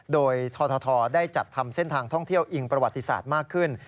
โดยททได้จัดทำเส้นทางท่องเที่ยวอิงประวัติศาสตร์มากขึ้น